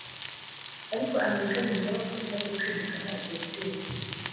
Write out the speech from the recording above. ariko Amerika yongeraho ko ntabyo gushidikanya ibyo bitero biriho